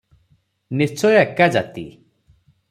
ନିଶ୍ଚୟ ଏକା ଜାତି ।